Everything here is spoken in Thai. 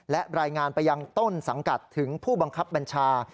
และรายงานไปยังต้นสังกัดถึงผู้บังคับบัญชา